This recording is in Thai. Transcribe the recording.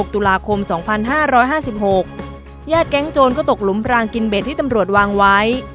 ตุลาคม๒๕๕๖ญาติแก๊งโจรก็ตกหลุมพรางกินเบ็ดที่ตำรวจวางไว้